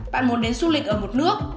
bạn muốn đến du lịch ở một nước